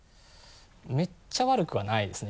めっちゃ悪くはないですね